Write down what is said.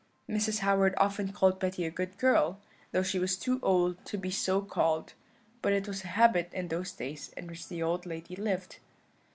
"Mrs. Howard often called Betty a good girl, though she was too old to be so called; but it was a habit in those days in which the old lady lived.